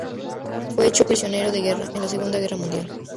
Fue hecho prisionero de guerra en la segunda guerra mundial.